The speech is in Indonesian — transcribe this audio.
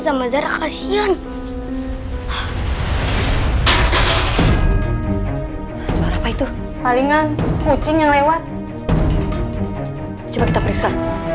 sama zara kasian suara apa itu palingan kucing yang lewat coba kita periksa